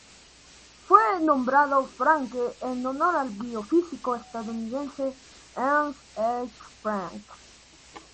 Fue nombrado Franke en honor al biofísico estadounidense Ernst H. Franke.